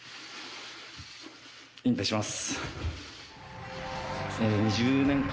引退します。